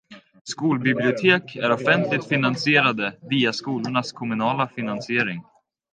Skolbibliotek är offentligt finansierade via skolornas kommunala finansiering.